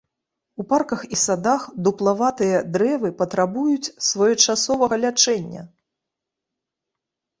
У парках і садах дуплаватыя дрэвы патрабуюць своечасовага лячэння.